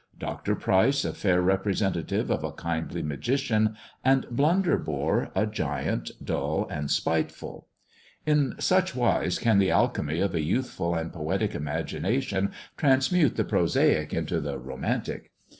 Dr. Pryce a fair representative of a kindly magician, and Blunderbore a giant, dull and s; THE dwarf's chamber 37 spiteful. In such wise can the alchemy of a youthful and poetic imagination transmute the prosaic into the romantic.